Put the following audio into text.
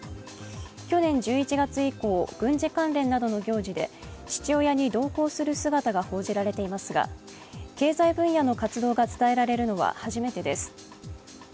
去年１１月以降、軍事関連などの行事で父親に同行する姿が報じられていますが経済分野の活動が伝えられるのは初めてです。